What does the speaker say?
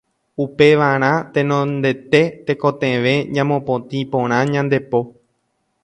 Upevarã tenondete tekotevẽ ñamopotĩ porã ñande po.